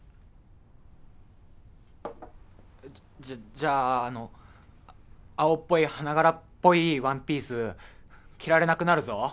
じゃじゃああの青っぽい花柄っぽいワンピース着られなくなるぞ。